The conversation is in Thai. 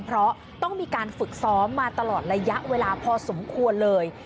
เพราะต้องมีการฝึกซ้อมมาตลอดระยะเวลาพอสมควรเลย